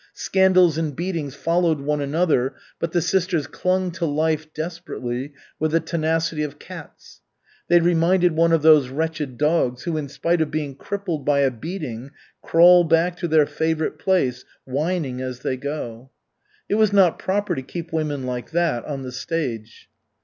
Scandals and beatings followed one another, but the sisters clung to life desperately, with the tenacity of cats. They reminded one of those wretched dogs who, in spite of being crippled by a beating, crawl back to their favorite place, whining as they go. It was not proper to keep women like that on the stage.